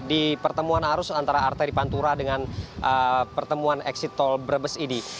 di pertemuan arus antara arteri pantura dengan pertemuan exit tol brebes ini